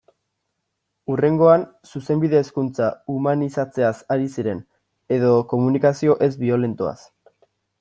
Hurrengoan, Zuzenbide-hezkuntza humanizatzeaz ari ziren, edo komunikazio ez-biolentoaz...